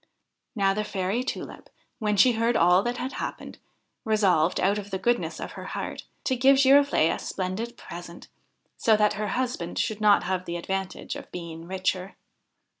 Now the Fairy Tulip, when she heard all that had happened, resolved, out of the goodness of her heart, to give Giroflee a splendid present, so that her husband should not have the advantage of being the richer.